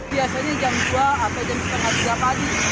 biasanya jam dua atau jam setengah tiga pagi